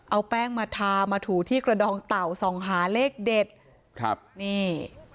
เอาแป้งมาทามาถูที่กระดองเต่าส่องหาเลขเด็ดครับนี่